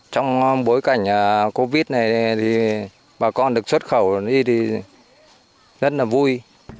trong bối cảnh covid này bà con được xuất khẩu đi thì rất là vui